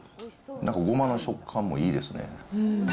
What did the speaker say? なんか、ごまの食感もいいですね。